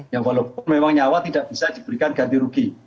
ya walaupun memang nyawa tidak bisa diberikan ganti rugi